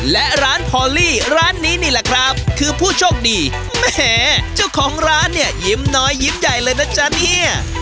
และร้านพอลลี่ร้านนี้นี่แหละครับคือผู้โชคดีแหมเจ้าของร้านเนี่ยยิ้มน้อยยิ้มใหญ่เลยนะจ๊ะเนี่ย